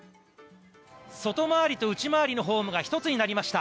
外回りと内回りのホームが１つになりました。